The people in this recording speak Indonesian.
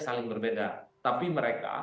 saling berbeda tapi mereka